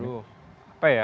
aduh apa ya